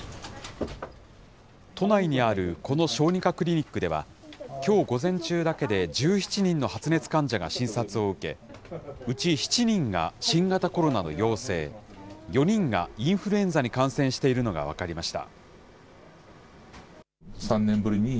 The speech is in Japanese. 都内にあるこの小児科クリニックでは、きょう午前中だけで１７人の発熱患者が診察を受け、うち７人が新型コロナの陽性、４人がインフルエンザに感染しているのが分かりました。